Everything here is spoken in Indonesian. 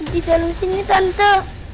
di dalam sini tante